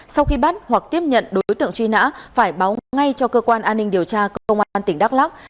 sau khi bắt hoặc tiếp nhận đối tượng truy nã phải báo ngay cho cơ quan an ninh điều tra công an tỉnh đắk lắc